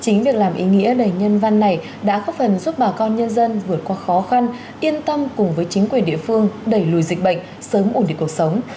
chính việc làm ý nghĩa đầy nhân văn này đã góp phần giúp bà con nhân dân vượt qua khó khăn yên tâm cùng với chính quyền địa phương đẩy lùi dịch bệnh sớm ổn định cuộc sống